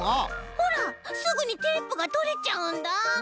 ほらすぐにテープがとれちゃうんだ。